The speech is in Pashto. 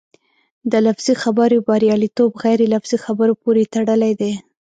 د لفظي خبرو بریالیتوب غیر لفظي خبرو پورې تړلی دی.